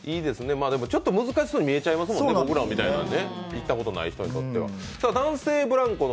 ちょっと難しそうに見えちゃいますもんね、僕らみたいな行ったことない人にとっては。